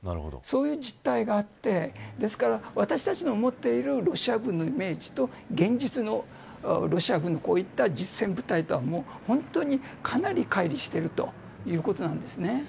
そういう事態があってですから、私たちの持っているロシア軍のイメージと現実のロシア軍のこういった実戦部隊とは本当に、かなり乖離しているということなんです。